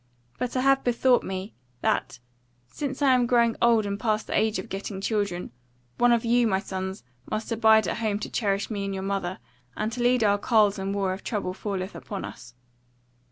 But I have bethought me, that, since I am growing old and past the age of getting children, one of you, my sons, must abide at home to cherish me and your mother, and to lead our carles in war if trouble falleth upon us.